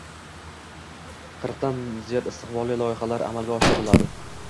Qirqdan dan ziyod istiqbolli loyihalar amalga oshiriladi.